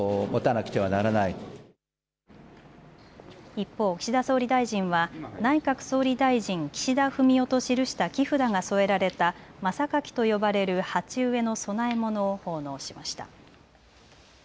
一方、岸田総理大臣は内閣総理大臣岸田文雄と記した木札が添えられたまさかきと呼ばれる鉢植えの供え物を奉納しました。